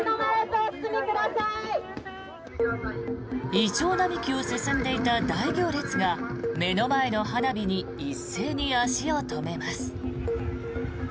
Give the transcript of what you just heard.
イチョウ並木を進んでいた大行列が目の前の花火に一斉に足を止めます。